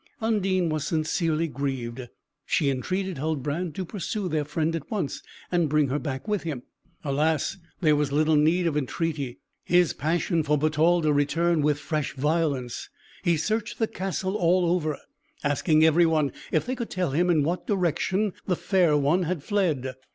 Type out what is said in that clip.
Undine was sincerely grieved; she entreated Huldbrand to pursue their friend at once, and bring her back with him. Alas! there was little need of entreaty. His passion for Bertalda returned with fresh violence; he searched the castle all over, asking everyone if they could tell him in what direction the fair one had fled.